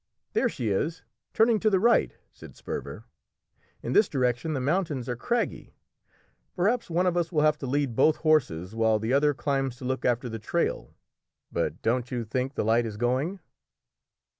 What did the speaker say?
"There she is, turning to the right," said Sperver. "In this direction the mountains are craggy; perhaps one of us will have to lead both horses while the other climbs to look after the trail. But don't you think the light is going?"